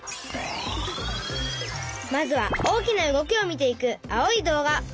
まずは大きな動きを見ていく青い動画。